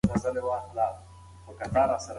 هغوی په خپلو لاسونو کې کتابونه نیولي وو او خندل یې.